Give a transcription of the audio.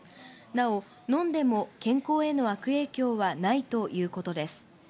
なお、飲んでも健康への悪影響はないということです。